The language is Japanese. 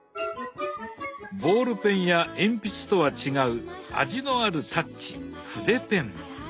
ボールペンや鉛筆とは違う味のあるタッチ筆ペン。